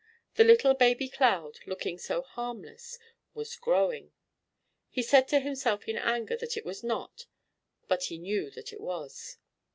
The little baby cloud, looking so harmless, was growing. He said to himself in anger that it was not, but he knew that it was.